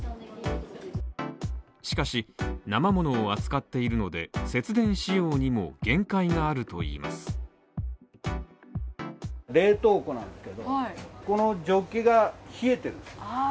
しかし、生ものを扱っているので、節電しようにも限界があるといいます。